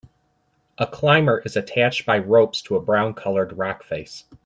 A climber is attached by ropes to a brown colored rock face.